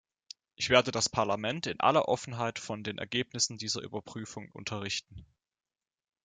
Ich werde das Parlament in aller Offenheit von den Ergebnissen dieser Überprüfung unterrichten.